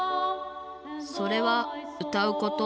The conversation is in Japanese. それはうたうこと。